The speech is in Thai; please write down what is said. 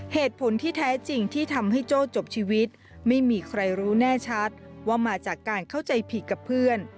เหตุผลที่แท้จริงที่ทำให้โจ้จบชีวิตไม่มีใครรู้แน่ชัดว่ามาจากการเข้าใจผิดกับเพื่อน